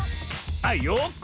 あっよこ！